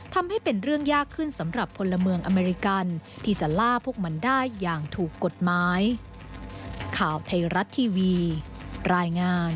ทำให้เป็นเรื่องยากขึ้นสำหรับพลเมืองอเมริกันที่จะล่าพวกมันได้อย่างถูกกฎหมาย